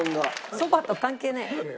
そばと関係ねえ。